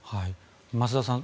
増田さん